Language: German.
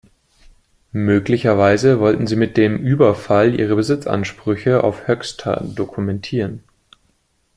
Möglicherweise wollten sie mit dem Überfall ihre Besitzansprüche auf Höxter dokumentieren.